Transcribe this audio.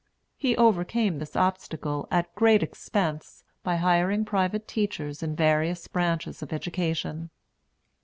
He overcame this obstacle, at great expense, by hiring private teachers in various branches of education.